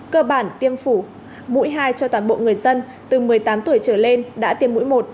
cơ bản tiêm phủ mũi hai cho toàn bộ người dân từ một mươi tám tuổi trở lên đã tiêm mũi một